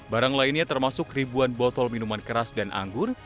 barang lainnya termasuk ribuan botol minuman keras dan anggur